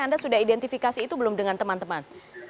anda sudah identifikasi itu belum dengan teman teman